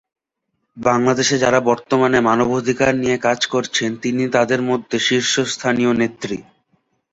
বাংলাদেশে যাঁরা বর্তমানে মানবাধিকার নিয়ে কাজ করছেন, তিনি তাদের মধ্যে শীর্ষস্থানীয় নেত্রী।